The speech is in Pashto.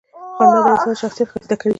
• خندا د انسان شخصیت ښایسته کوي.